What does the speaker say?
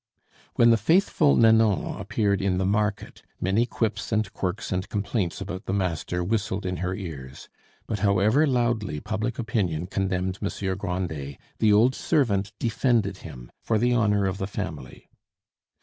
When the faithful Nanon appeared in the market, many quips and quirks and complaints about the master whistled in her ears; but however loudly public opinion condemned Monsieur Grandet, the old servant defended him, for the honor of the family.